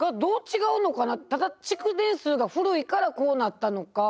ただ築年数が古いからこうなったのか。